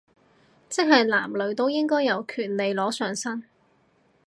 即係男女都應該有權利裸上身